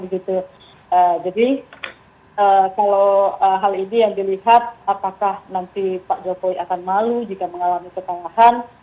jadi kalau hal ini yang dilihat apakah nanti pak jokowi akan malu jika mengalami kekelahan